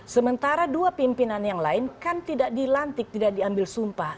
karena pimpinan yang lain kan tidak dilantik tidak diambil sumpah